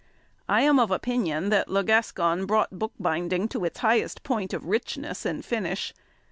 I am of opinion that Le Gascon brought bookbinding to its highest point of richness and finish.